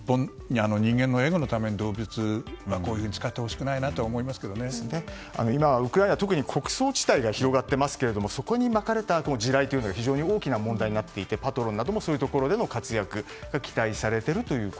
人間のエゴのためにこのように動物を使ってほしくないなとはウクライナは今、特に穀倉地帯が広がっていますがそこにまかれた地雷というのは非常に大きな問題になっていてパトロンなどもそういうところでの活躍が期待されていると。